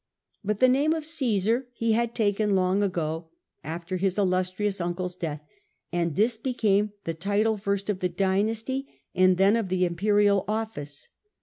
But the name of Caesar he had taken long ago, after his Had alre.idy illustrious uncle's death, and this became the title first of the dynasty and then of the Caesar, imperial office.